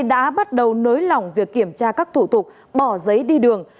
đã bắt đầu nới lỏng việc kiểm tra các thủ tục bỏ giấy đi đường